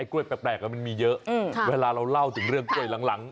กล้วยแปลกมันมีเยอะเวลาเราเล่าถึงเรื่องกล้วยหลัง